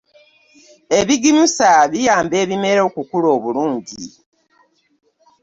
ebigimusa biyamba ebimera okukula obulungi